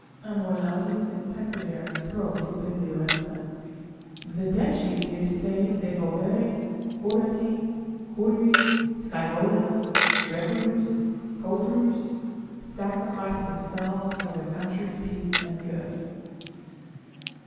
Amor laudis et patriae pro stipendio est; the Decii did se devovere, Horatii, Curii, Scaevola, Regulus, Codrus, sacrifice themselves for their country's peace and good.